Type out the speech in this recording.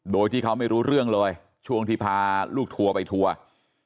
โดยที่เขาไม่รู้เรื่องเลยช่วงที่พาลูกทัวร์ไปทัวร์